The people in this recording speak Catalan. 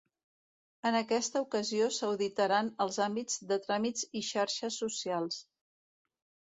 En aquesta ocasió, s'auditaran els àmbits de tràmits i xarxes socials.